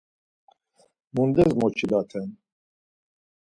Mundes moçilaten?